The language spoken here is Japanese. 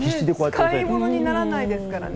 使い物にならないですからね。